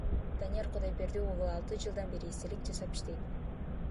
Данияр Кудайберди уулу алты жылдан бери эстелик жасап иштейт.